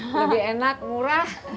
lebih enak murah